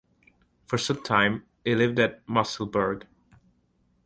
For some time he lived at Musselburgh.